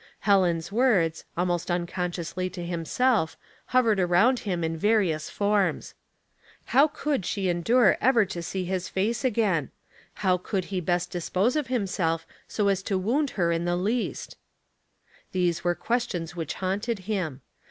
Helen's words, almost unconsciously to himself, hovered around him in various forms. " How could she endure ever to see his face again ? How could he best dispose of himself so as to wound her in the least?" These were questions which haunted him.